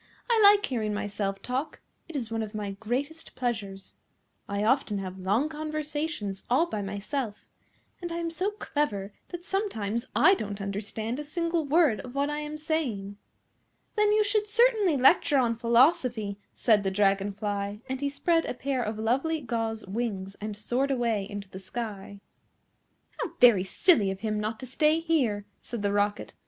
I like hearing myself talk. It is one of my greatest pleasures. I often have long conversations all by myself, and I am so clever that sometimes I don't understand a single word of what I am saying." "Then you should certainly lecture on Philosophy," said the Dragon fly, and he spread a pair of lovely gauze wings and soared away into the sky. "How very silly of him not to stay here!" said the Rocket.